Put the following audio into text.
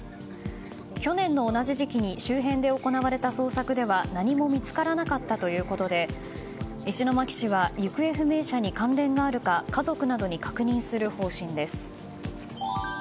去年の同じ時期に周辺で行われた捜索では何も見つからなかったということで石巻市は行方不明者に関連があるか家族などに確認する方針です。